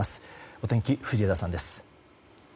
お天気、藤枝さんです。